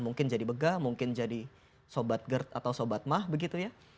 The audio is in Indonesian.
mungkin jadi begah mungkin jadi sobat gerd atau sobat mah begitu ya